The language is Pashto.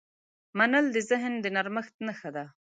منل د ذهن د نرمښت نښه ده.